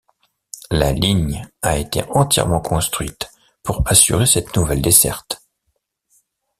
La ligne a été entièrement construite pour assurer cette nouvelle desserte.